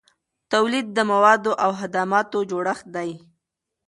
تولید د موادو او خدماتو جوړښت دی.